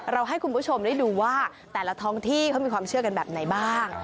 ให้คุณผู้ชมได้ดูว่าแต่ละท้องที่เขามีความเชื่อกันแบบไหนบ้าง